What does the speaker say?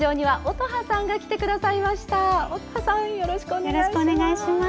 乙葉さんよろしくお願いします。